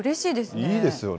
いいですよね。